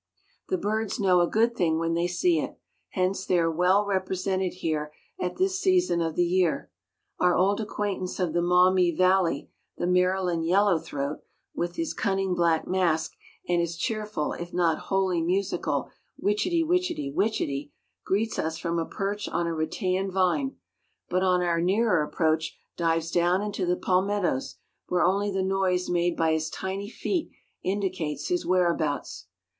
The birds know a good thing when they see it; hence they are well represented here at this season of the year. Our old acquaintance of the Maumee Valley, the Maryland yellow throat, with his cunning black mask and his cheerful if not wholly musical "Wichety, wichety, wichety," greets us from a perch on a rattan vine, but on our nearer approach dives down into the palmettos, where only the noise made by his tiny feet indicates his whereabouts.